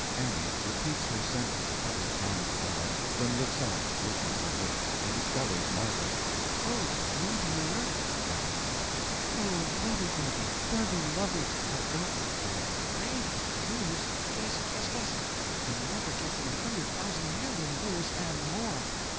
A. (Repeats her sentence a couple of times aloud; then looks up, working her lips, and discovers Margaret.) Oh, you here? (Running to her.) O lovey dovey, dovey lovey, I've got the gr reatest news! Guess, guess, guess! You'll never guess in a hundred thousand million years and more!